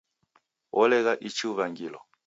Wolegha ichi uw'angilo